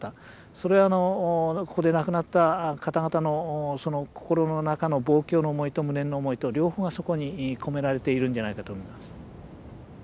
それはここで亡くなった方々の心の中の望郷の思いと無念の思いと両方がそこに込められているんじゃないかと思います。